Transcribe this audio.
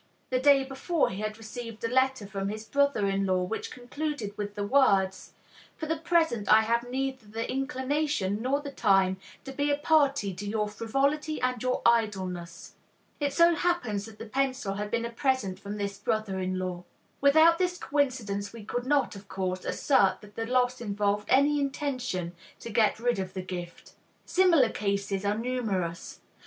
The day before he had received a letter from his brother in law, which concluded with the words, "For the present I have neither the inclination nor the time to be a party to your frivolity and your idleness." It so happened that the pencil had been a present from this brother in law. Without this coincidence we could not, of course, assert that the loss involved any intention to get rid of the gift. Similar cases are numerous.